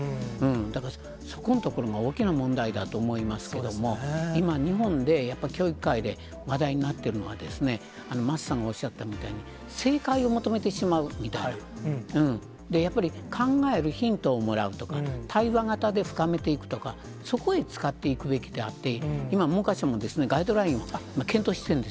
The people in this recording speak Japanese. だからそこのところが大きな問題だと思いますけども、今、日本で、やっぱり教育界で話題になっているのは、桝さんがおっしゃったみたいに、正解を求めてしまうみたいな、やっぱり考えるヒントをもらうとか、対話型で深めていくとか、そこへ使っていくべきであって、今、文科省もガイドラインを検討してるんです。